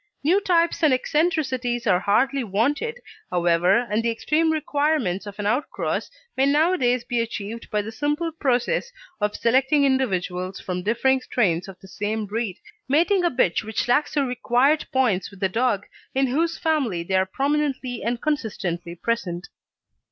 New types and eccentricities are hardly wanted, however, and the extreme requirements of an outcross may nowadays be achieved by the simple process of selecting individuals from differing strains of the same breed, mating a bitch which lacks the required points with a dog in whose family they are prominently and consistently present.